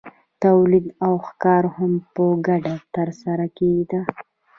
تولید او ښکار هم په ګډه ترسره کیده.